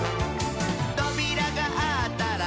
「とびらがあったら」